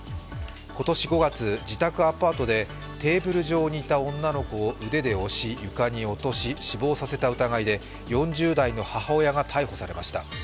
今年５月、自宅アパートでテーブル上にいた女の子を腕で押し床に落とし死亡させた疑いで４０代の母親が逮捕されました。